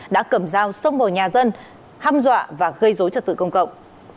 đã cầm dao xông vào nhà dân ham dọa và gây rối trật tự công cộng